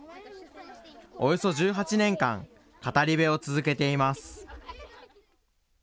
およそ１８年間、語り部を続けています。